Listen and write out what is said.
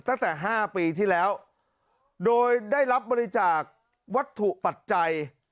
ตั้งแต่๕ปีที่แล้วโดยได้รับบริจาควัตถุปัจจัย